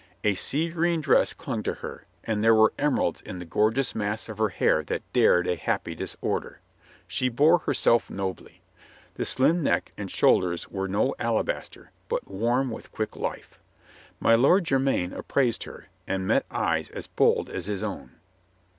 A sea green dress clung to her, and there were emeralds in the gor geous mass of her hair that dared a happy disorder. She bore herself nobly. The slim neck and shoul ders were no alabaster, but warm with quick life. My Lord Jermyn appraised her, and met eyes as bold as his own.